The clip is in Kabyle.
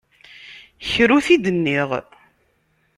Kra ur t-id-nniɣ.